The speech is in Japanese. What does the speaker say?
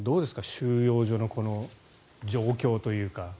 収容所のこの状況というか。